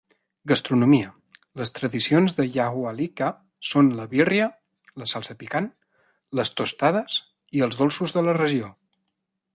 Gastronomia: les tradicions de Yahualica són la "birria", la salsa picant, les "tostadas" i els dolços de la regió.